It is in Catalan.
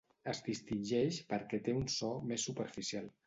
Es distingeix perquè té un so més superficial.